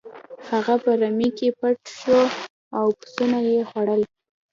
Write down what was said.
هغه په رمې کې پټ شو او پسونه یې خوړل.